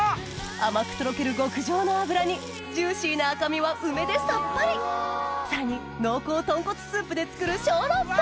甘くとろける極上の脂にジューシーな赤身は梅でサッパリさらに濃厚豚骨スープで作る小籠包